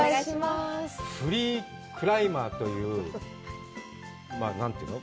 フリークライマーというなんというの？